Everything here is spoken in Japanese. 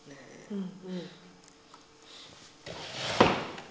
うん。